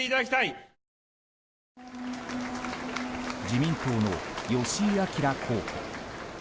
自民党の吉井章候補。